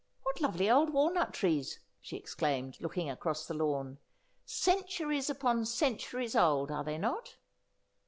What lovely old walnut trees !' she exclaimed, looking across the lawn. 'Cen turies upon centuries old, are they not